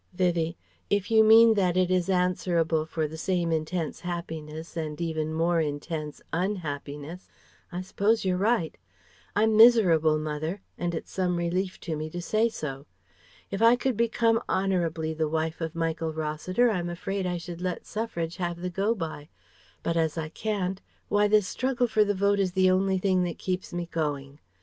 Vivie: "If you mean that it is answerable for the same intense happiness and even more intense _un_happiness, I suppose you're right. I'm miserable, mother, and it's some relief to me to say so. If I could become honourably the wife of Michael Rossiter I'm afraid I should let Suffrage have the go by. But as I can't, why this struggle for the vote is the only thing that keeps me going.